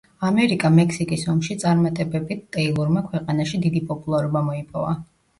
ამერიკა-მექსიკის ომში წარმატებებით ტეილორმა ქვეყანაში დიდი პოპულარობა მოიპოვა.